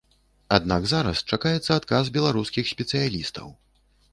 Аднак зараз чакаецца адказ беларускіх спецыялістаў.